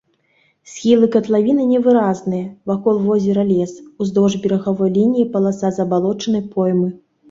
Схілы катлавіны невыразныя, вакол возера лес, уздоўж берагавой лініі паласа забалочанай поймы.